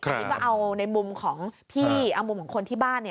อันนี้ก็เอาในมุมของพี่เอามุมของคนที่บ้าน